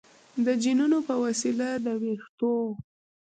د جینونو په وسیله د ویښتو